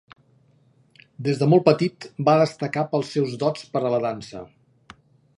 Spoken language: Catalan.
Des de molt petit, va destacar pels seus dots per a la dansa.